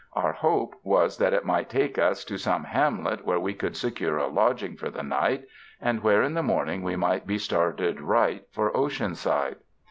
Our hope was that it might take us to some hamlet where we could secure a lodging for the night and where in the morning we might be started right for Oceanside.